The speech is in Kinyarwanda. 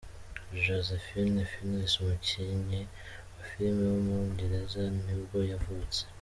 Joseph Fiennes, umukinnyi wa filime w’umwongereza ni bwo yavutse.